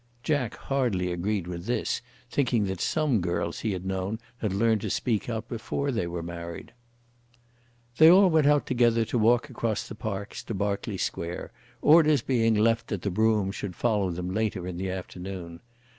Jack hardly agreed with this, thinking that some girls he had known had learned to speak out before they were married. They all went out together to walk across the parks to Berkeley Square, orders being left that the brougham should follow them later in the afternoon.